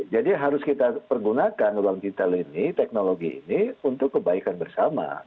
jadi harus kita pergunakan ruang digital ini teknologi ini untuk kebaikan bersama